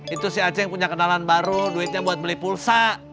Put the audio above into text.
itu si aceh yang punya kenalan baru duitnya buat beli pulsa